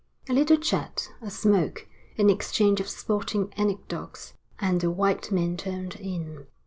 A little chat, a smoke, an exchange of sporting anecdotes, and the white men turned in.